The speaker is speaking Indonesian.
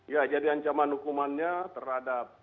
ya jadi ancaman hukumannya terhadap